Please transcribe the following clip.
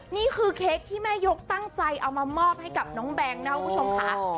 นี่คือเค้กที่แม่ยกตั้งใจเอามามอบให้กับน้องแบงค์นะครับคุณผู้ชมค่ะ